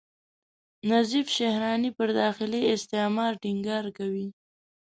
نظیف شهراني پر داخلي استعمار ټینګار کوي.